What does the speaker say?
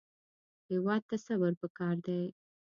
هېواد ته صبر پکار دی